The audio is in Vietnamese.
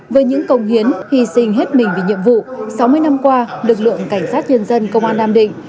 với những công hiến hy sinh hết mình vì nhiệm vụ sáu mươi năm qua lực lượng cảnh sát nhân dân công an nam định